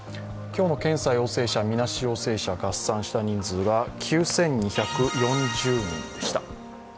今日の検査陽性者、みなし陽性者、合算した人数が９２４０人でした。